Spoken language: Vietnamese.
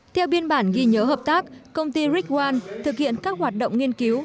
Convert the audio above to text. theo biên bản ghi nhớ hợp tác công ty rick one thực hiện các hoạt động nghiên cứu